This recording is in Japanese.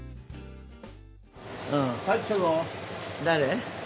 誰？